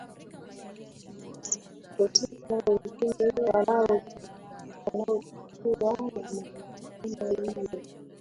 usika wengine wanaotakiwa na mahakama hiyo